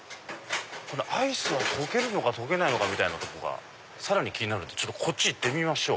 このアイスは溶けるのか溶けないのかみたいなとこがさらに気になるんでこっちいってみましょう。